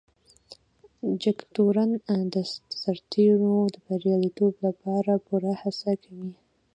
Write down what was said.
جګتورن د سرتیرو د بريالیتوب لپاره پوره هڅه کوي.